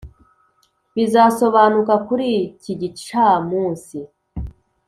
bizasobanuka kuri iki gicamunsi?